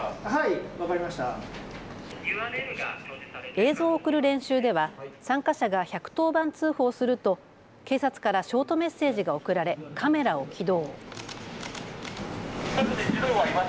映像を送る練習では参加者が１１０番通報すると警察からショートメッセージが送られカメラを起動。